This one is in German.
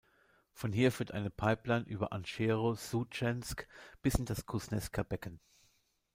Von hier führt eine Pipeline über Anschero-Sudschensk bis in das Kusnezker Becken.